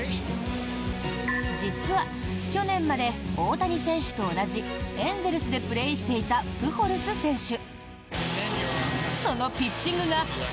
実は、去年まで大谷選手と同じエンゼルスでプレーしていたプホルス選手。